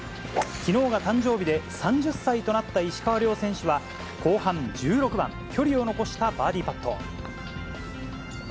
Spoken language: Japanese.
きのうが誕生日で、３０歳となった石川遼選手は、後半１６番、距離を残したバーディーパット。